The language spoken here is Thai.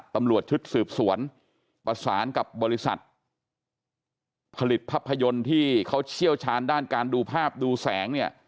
ตำรวจชุดสืบสวนประสานกับบริษัทผลิตภาพยนตร์ที่เขาเชี่ยวชาญด้านการดูภาพดูแสงเนี่ย